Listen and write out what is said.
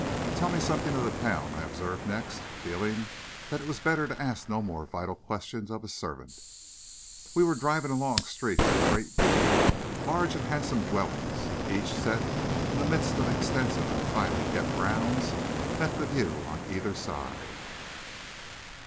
"Tell me something of the town," I observed next, feeling that it was better to ask no more vital questions of a servant. We were driving along streets of great beauty. Large and handsome dwellings, each set in the midst of extensive and finely kept grounds, met the view on either aide.